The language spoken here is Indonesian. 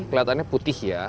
kelihatannya putih ya